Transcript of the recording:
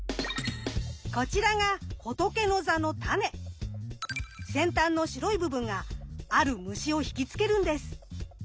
こちらが先端の白い部分がある虫を引き付けるんです。